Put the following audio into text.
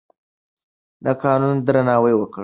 د قانون درناوی وکړئ.